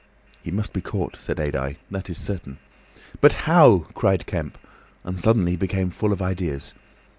"He must be caught," said Adye. "That is certain." "But how?" cried Kemp, and suddenly became full of ideas.